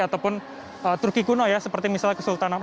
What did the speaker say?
ataupun turki kuno ya